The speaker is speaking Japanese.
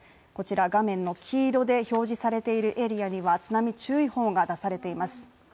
こちら画面の黄色で表示されているエリアには津波注意報が出されています。